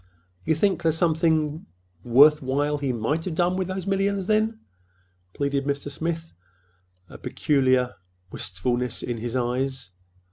"You think—there's something worth while he might have done with those millions, then?" pleaded Mr. Smith, a sudden peculiar wistfulness in his eyes.